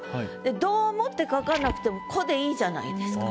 「ども」って書かなくても「子」でいいじゃないですか。